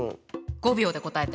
５秒で答えて。